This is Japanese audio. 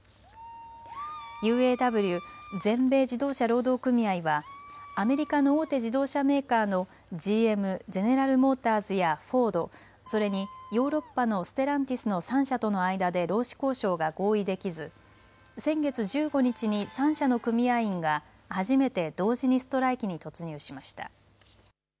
ＵＡＷ・全米自動車労働組合はアメリカの大手自動車メーカーのＧＭ・ゼネラル・モーターズやフォード、それにヨーロッパのステランティスの３社との間で労使交渉が合意できず先月１５日に３社の組合員が初めて同時にストライキに突入しました。